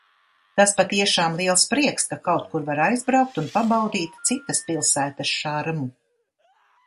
Tas patiešām liels prieks, ka kaut kur var aizbraukt un pabaudīt citas pilsētas šarmu.